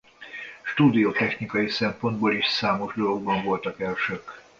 Stúdió technikai szempontból is számos dologban voltak elsők.